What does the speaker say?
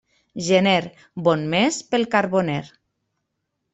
Gener, bon mes pel carboner.